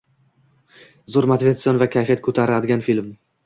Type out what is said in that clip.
Zoʻr motivatsion va kayfiyat koʻtaradigan film.